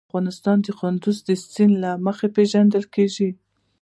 افغانستان د کندز سیند له مخې پېژندل کېږي.